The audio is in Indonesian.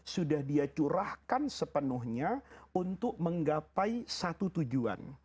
sudah dia curahkan sepenuhnya untuk menggapai satu tujuan